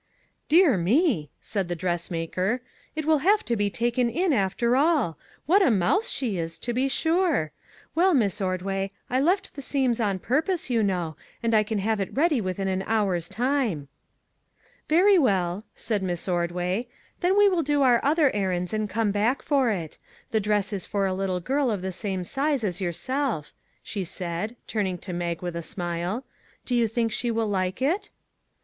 Dear me !" said the dressmaker, " it will have to be taken in, after all. What a mouse she is, to be sure! Well, Miss Ordway, I left 150 SURPRISES the seams on purpose, you know, and I can have it ready within an hour's time." " Very well," said Miss Ordway, " then we will do our other errands and come back for it. The dress is for a little girl of the same size as yourself," she said, turning to Mag with a smile; " do you think she will like it?